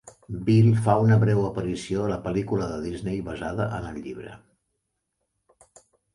Bill fa una breu aparició a la pel·lícula de Disney basada en el llibre.